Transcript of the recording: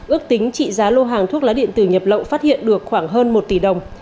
ước tính trị giá lô hàng thuốc lá điện tử nhập lậu phát hiện được khoảng hơn một tỷ đồng